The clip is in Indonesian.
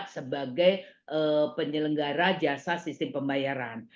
sebagai penyelenggara jasa sistem pembayaran